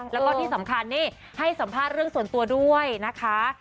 แล้วก็ที่สำคัญนี่ให้สัมภาษณ์เรื่องส่วนตัวด้วยนะคะ